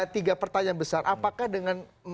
tiga pertanyaan besar apakah dengan